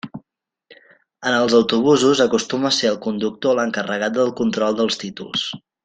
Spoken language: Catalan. En els autobusos acostuma a ser el conductor l'encarregat del control dels títols.